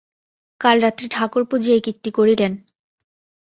কাল রাত্রে ঠাকুরপো যে কীর্তি করিলেন।